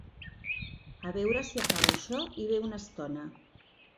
A veure si acaba això i ve una estona.